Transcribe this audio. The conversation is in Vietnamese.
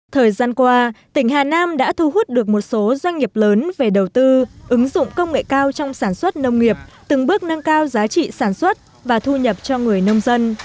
thời gian qua tỉnh hà nam đã thu hút được một số doanh nghiệp lớn về đầu tư ứng dụng công nghệ cao trong sản xuất nông nghiệp từng bước nâng cao giá trị sản xuất và thu nhập cho người nông dân